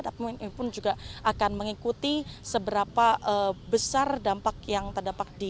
tapi pun juga akan mengikuti seberapa besar dampak yang terdapat di